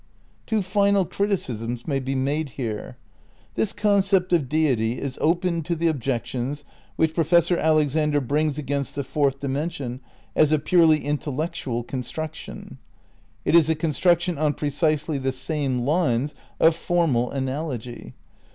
Two final criticisms may be made here. This con cept of Deity is open to the objections which Professor Alexander brings against the Fourth Dimension as a purely intellectual construction. It is a construction on precisely the same lines of formal analogy.